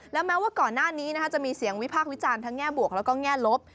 และแม้ว่าก่อนหน้านี้จะมีเสียงวิพากษ์วิจารณ์ทั้งแง่บวกแล้วก็แง่ลบ